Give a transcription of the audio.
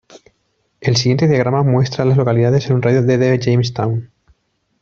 El siguiente diagrama muestra a las localidades en un radio de de James Town.